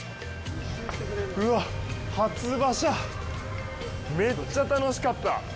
うわっ、初馬車、めっちゃ楽しかった！